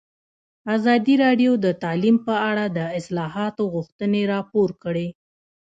ازادي راډیو د تعلیم په اړه د اصلاحاتو غوښتنې راپور کړې.